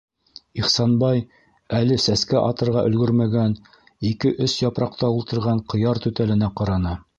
Ихсанбай әле сәскә атырға өлгөрмәгән, ике-өс япраҡта ултырған ҡыяр түтәленә ҡараны.